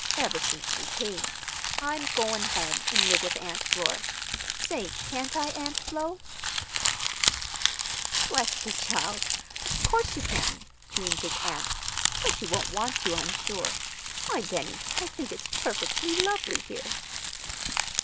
ever since we came. I'm going home an' live with Aunt Flora. Say, can't I, Aunt Flo?" "Bless the child! Of course you can," beamed his aunt. "But you won't want to, I'm sure. Why, Benny, I think it's perfectly lovely here."